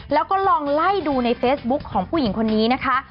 แล้วก็ลองไล่ดูในเฟซบุ๊คของผู้หญิงคนนี้นะคะ